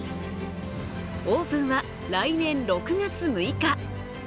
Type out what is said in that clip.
オープンは来年６月６日。